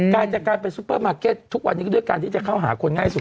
จากการเป็นซุปเปอร์มาร์เก็ตทุกวันนี้ด้วยการที่จะเข้าหาคนง่ายสุด